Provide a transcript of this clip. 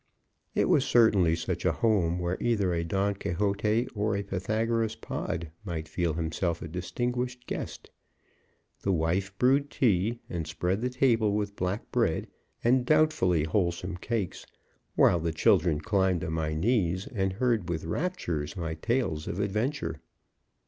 It was certainly such a home where either a Don Quixote or a Pythagoras Pod might feel himself a distinguished guest. The wife brewed tea, and spread the table with black bread and doubtfully wholesome cakes, while the children climbed on my knees and heard with rapture my tales of adventure.